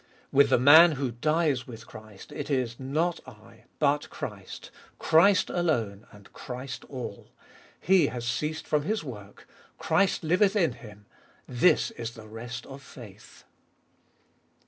With the man who dies with Christ it is, Not I, but Christ : Christ alone and Christ all. He has ceased from his work : Christ liveth in him. This is the rest of faith.